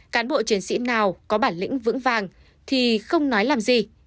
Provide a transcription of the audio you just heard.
cán bộ chiến sĩ nào có bản lĩnh vững vàng thì không nói làm gì